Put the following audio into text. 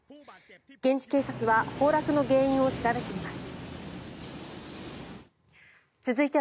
現地警察は崩落の原因を調べています。